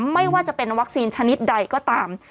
ไม่ว่าจะเป็นวัคซีนชนิดใดก็ตาม